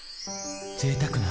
ぜいたくな．．．